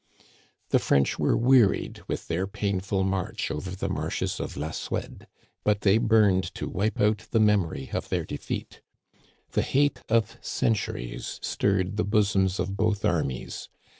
The French were wearied with their painful march over the marshes of ]l.a Suède, but they burned to wipe out the memory of their defeat. The hate of centuries stirred the bosoms of both armies.